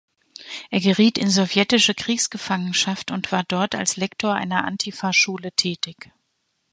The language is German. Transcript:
Er geriet in sowjetische Kriegsgefangenschaft und war dort als Lektor einer Antifa-Schule tätig.